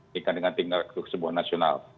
tingkat dengan tingkat kesembuhan nasional